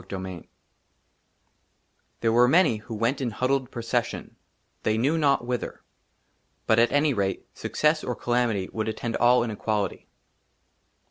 17 XVII ^ THERE WERE MANY WHO WENT IN HUDDLED PROCESSION, THEY KNEW NOT WHITHER ; BUT, AT ANY RATE, SUCCESS OR CALAMITY WOULD ATTEND ALL IN EQUALITY.